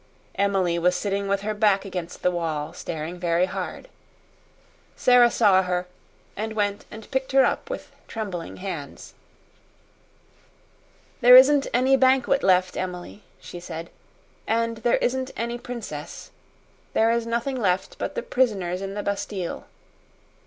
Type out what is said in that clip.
Emily was sitting with her back against the wall, staring very hard. Sara saw her, and went and picked her up with trembling hands. "There isn't any banquet left, Emily," she said. "And there isn't any princess. There is nothing left but the prisoners in the Bastille."